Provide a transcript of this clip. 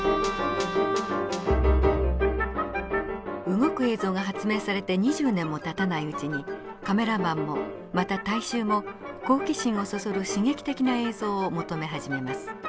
動く映像が発明されて２０年もたたないうちにカメラマンもまた大衆も好奇心をそそる刺激的な映像を求め始めます。